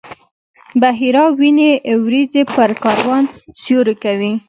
بحیرا ویني وریځې پر کاروان سیوری کوي.